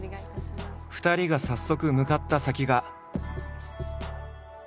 ２人が早速向かった先が。